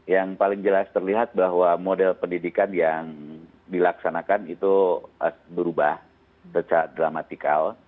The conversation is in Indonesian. yang paling jelas terlihat bahwa model pendidikan yang dilaksanakan itu berubah secara dramatikal